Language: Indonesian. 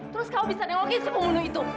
terus kamu bisa dengokin si pembunuh itu